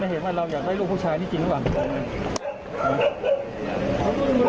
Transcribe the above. เห็นว่าเราอยากได้ลูกผู้ชายนี่จริงหรือเปล่า